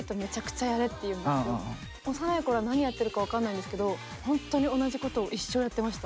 幼い頃は何やってるか分からないんですけどほんとに同じことを一生やってました。